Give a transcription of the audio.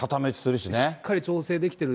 しっかり調整できてる。